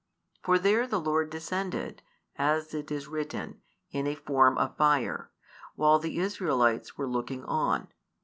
For there the Lord descended, as it is written, in a form of fire, while the Israelites were looking on.